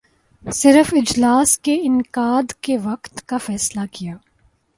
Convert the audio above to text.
صرف اجلاس کے انعقاد کے وقت کا فیصلہ کیا